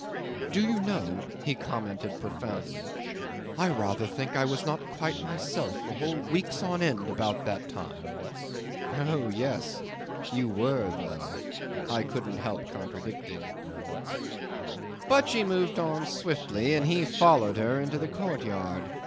"Do you know," he commented profoundly, "I rather think I was not quite myself for whole weeks on end about that time." "Oh yes. You were though," I couldn't help contradicting. 'But she moved on swiftly, and he followed her into the courtyard.